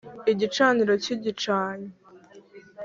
igicaniro kigicanye